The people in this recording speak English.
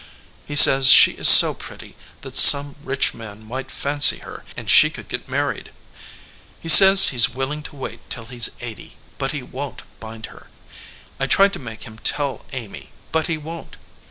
He says she is so pretty that some rich man might fancy her, and she could get mar ried. He says he s willing to wait till he s eighty, but he won t bind her. I tried to make him tell Amy, but he won t.